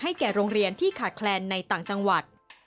แก่โรงเรียนที่ขาดแคลนในต่างจังหวัด